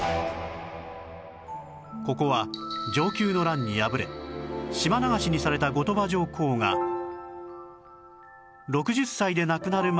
ここは承久の乱に敗れ島流しにされた後鳥羽上皇が６０歳で亡くなるまで１９年間を過ごした地